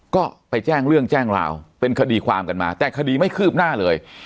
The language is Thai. ก็ไปแจ้งเรื่องแจ้งราวเป็นคดีความกันมาแต่คดีไม่คืบหน้าเลย